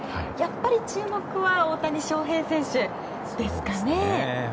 やっぱり注目は大谷翔平選手ですかね。